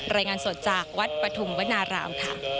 รายงานสดจากวัดปฐุมวนารามค่ะ